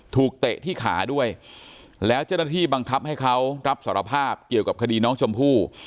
เตะที่ขาด้วยแล้วเจ้าหน้าที่บังคับให้เขารับสารภาพเกี่ยวกับคดีน้องชมพู่